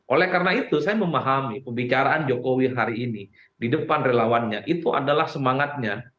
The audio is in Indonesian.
oleh karena itu saya memahami pembicaraan jokowi hari ini di depan relawannya itu adalah semangatnya